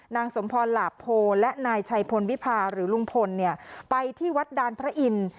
นางสมพลับพูและนายไชปลวิภาหรือลุงพลเนี่ยไปที่วัดดานพระอินฮิ์